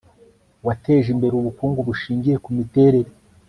wateje imbere ubukungu bushingiye ku miterere